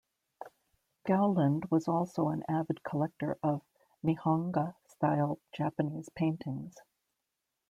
Gowland was also an avid collector of "Nihonga" style Japanese paintings.